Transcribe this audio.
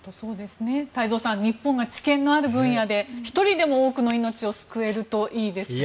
太蔵さん日本が知見のある分野で１人でも多くの命を救えるといいですね。